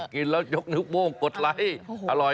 กินแล้วยกนิ้วโม่งกดไลค์อร่อย